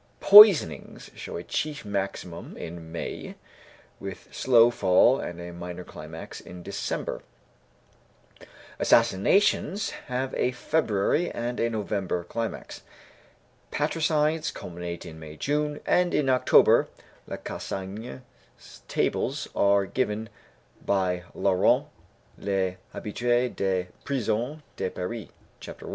Poisonings show a chief maximum in May, with slow fall and a minor climax in December; assassinations have a February and a November climax. Parricides culminate in May June, and in October (Lacassagne's tables are given by Laurent, Les Habitués des Prisons de Paris, Ch. 1).